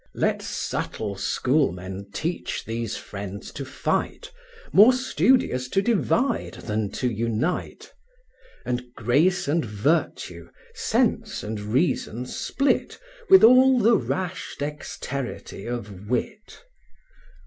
Let subtle schoolmen teach these friends to fight, More studious to divide than to unite; And grace and virtue, sense and reason split, With all the rash dexterity of wit.